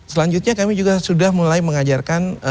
selanjutnya kami juga sudah mulai mengajarkan